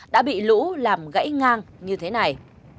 đã bị lũ làm gãy ngang như thế này